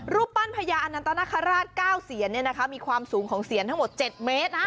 รูปปั้นพญาอนันตนคราช๙เสียนมีความสูงของเสียนทั้งหมด๗เมตรนะ